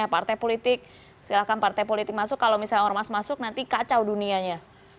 partai politik silahkan partai politik masuk kalau misalnya ormas masuk nanti kacau dunianya